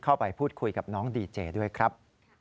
เข้าไปพูดคุยกับน้องดีเจด้วยครับ